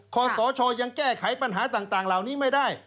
แก้ไขปัญหาต่างเหล่านี้ไม่ได้